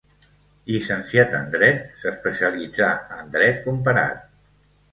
Llicenciat en dret, s'especialitzà en dret comparat.